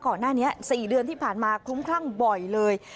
ก่อนหน้านี้๔เดือนที่ผ่านมาคลุ้มคลั่งบ่อยเลย